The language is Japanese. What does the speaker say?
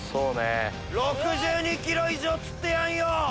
６２ｋｇ以上釣ってやんよ！